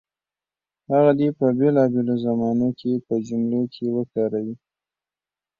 هغه دې په بېلابېلو زمانو کې په جملو کې وکاروي.